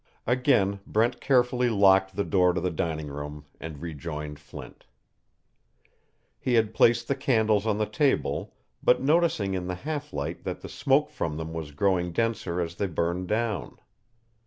Again Brent carefully locked the door to the dining room and rejoined Flint. He had placed the candles on the table, not noticing in the half light that the smoke from them was growing denser as they burned down.